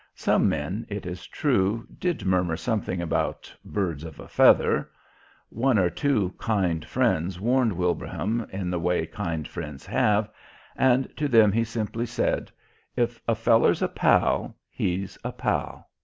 Some men, it is true, did murmur something about "birds of a feather"; one or two kind friends warned Wilbraham in the way kind friends have, and to them he simply said: "If a feller's a pal he's a pal."